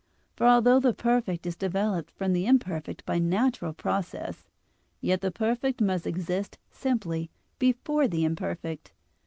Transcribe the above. For although the perfect is developed from the imperfect by natural processes, yet the perfect must exist simply before the imperfect.